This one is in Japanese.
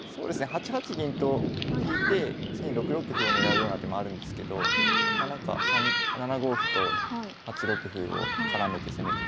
８八銀と引いて次に６六歩を狙うような手もあるんですけどなんか７五歩と８六歩を絡めて攻めてこられる。